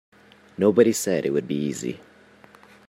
Nobody said it would be easy.